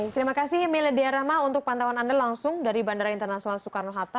terima kasih miladia rahma untuk pantauan anda langsung dari bandara internasional soekarno hatta